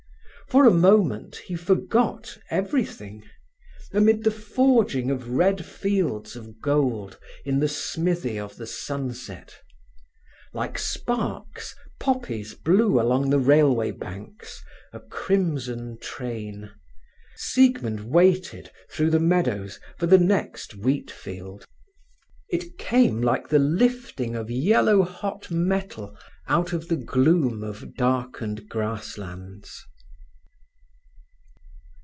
For a moment he forgot everything, amid the forging of red fields of gold in the smithy of the sunset. Like sparks, poppies blew along the railway banks, a crimson train. Siegmund waited, through the meadows, for the next wheat field. It came like the lifting of yellow hot metal out of the gloom of darkened grass lands.